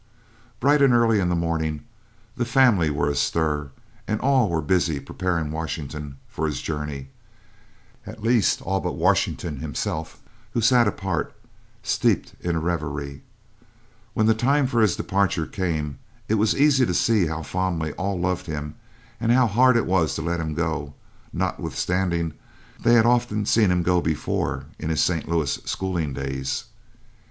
Bright and early in the morning the family were astir, and all were busy preparing Washington for his journey at least all but Washington himself, who sat apart, steeped in a reverie. When the time for his departure came, it was easy to see how fondly all loved him and how hard it was to let him go, notwithstanding they had often seen him go before, in his St. Louis schooling days.